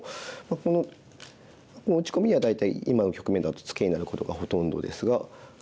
この打ち込みには大体今の局面だとツケになることがほとんどですが。